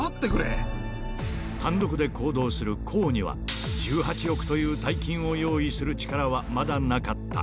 単独で行動する康には、１８億という大金を用意する力はまだなかった。